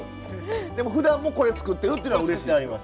でもふだんもこれ作ってるっていうのはうれしい。